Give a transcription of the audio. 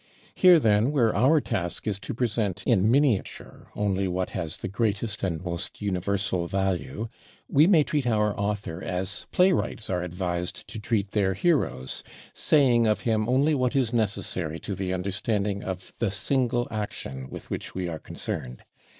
Here, then, where our task is to present in miniature only what has the greatest and most universal value, we may treat our author as playwrights are advised to treat their heroes, saying of him only what is necessary to the understanding of the single action with which we are concerned.